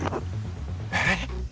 え？